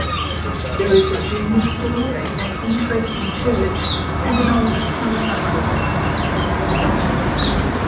There is a Junior School, an interesting church and an old telephone box.